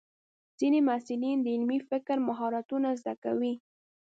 ځینې محصلین د علمي فکر مهارتونه زده کوي.